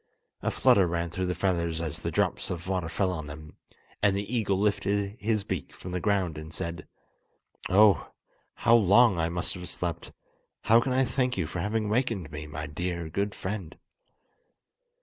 A flutter ran through the feathers as the drops of water fell on them, and the eagle lifted his beak from the ground and said: "Oh, how long I must have slept! How can I thank you for having awakened me, my dear, good friend!"